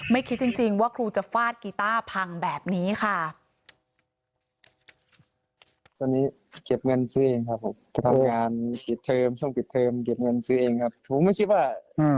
คิดจริงว่าครูจะฟาดกีต้าพังแบบนี้ค่ะ